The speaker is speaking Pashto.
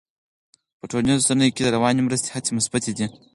په ټولنیزو رسنیو کې د رواني مرستې هڅې مثبتې دي.